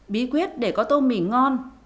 bí quyết để có tôm mì ngon